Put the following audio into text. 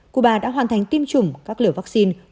cuba đã hoàn thành tiêm chủng các lửa vaccine